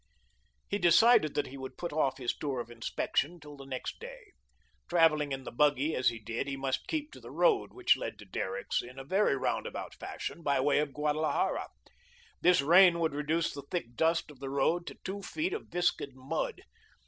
He decided that he would put off his tour of inspection till the next day. Travelling in the buggy as he did, he must keep to the road which led to Derrick's, in very roundabout fashion, by way of Guadalajara. This rain would reduce the thick dust of the road to two feet of viscid mud.